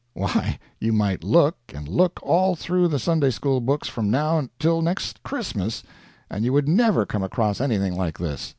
Why, you might look, and look, all through the Sunday school books from now till next Christmas, and you would never come across anything like this.